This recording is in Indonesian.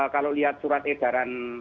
kalau lihat surat edaran